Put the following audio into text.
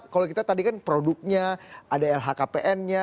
kalau kita tadi kan produknya ada lhkpn nya